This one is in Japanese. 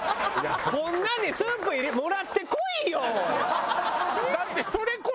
こんなのにスープもらってこいよ！